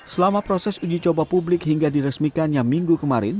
selama proses uji coba publik hingga diresmikannya minggu kemarin